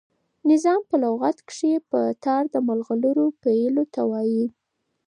نظام په لغت کښي په تار د ملغلرو پېیلو ته وايي.